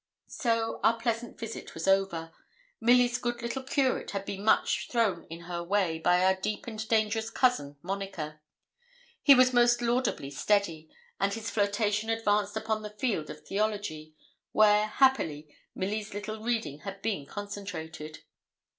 So our pleasant visit was over. Milly's good little curate had been much thrown in her way by our deep and dangerous cousin Monica. He was most laudably steady; and his flirtation advanced upon the field of theology, where, happily, Milly's little reading had been concentrated.